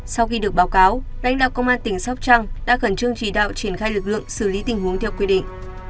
sau khi được báo cáo đánh đạo công an tỉnh sóc trăng đã cần chương trì đạo triển khai lực lượng xử lý tình huống theo quy định